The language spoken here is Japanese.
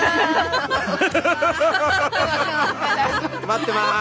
待ってます！